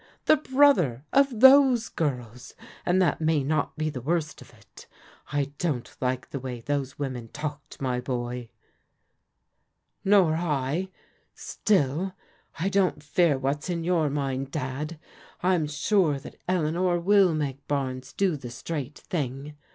The brother of those girls! And that may not be the worst of it I don't Uke the way those women talked, my boy." " Nor I. Still I don't fear what's in your mind. Dad. I'm sure that Eleanor will make Barnes do the straight thing.